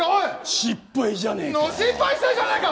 失敗じゃないか！